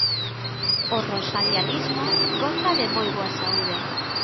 O rosalianismo goza de moi boa saúde.